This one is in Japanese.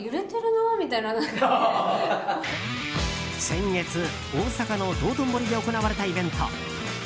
先月、大阪の道頓堀で行われたイベント。